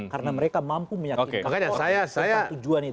karena mereka mampu meyakinkan